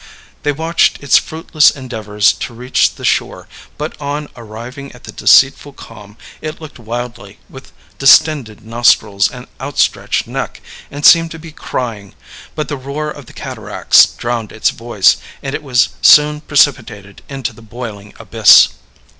They watched its fruitless endeavors to reach the shore; but, on arriving at the deceitful calm, it looked wildly, with distended nostrils and outstretched neck, and seemed to be crying; but the roar of the cataracts drowned its voice, and it was soon precipitated into the boiling abyss.